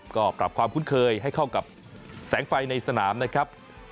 ก็ปรับความคุ้นเคยให้เข้ากับแสงไฟในสนามนะครับ